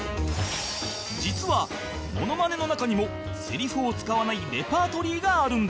実はモノマネの中にもセリフを使わないレパートリーがあるんです